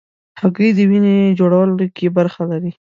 هګۍ د وینې جوړولو کې برخه لري.